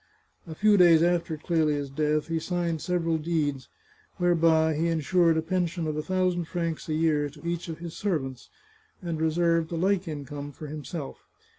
A few days after Clelia's death he signed several deeds, whereby he insured a pension of a thousand francs a year to each of his servants, and reserved a like income for himself.